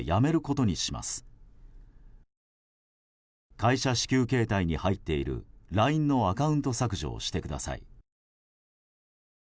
会社支給携帯に入っているＬＩＮＥのアカウント削除をしてください。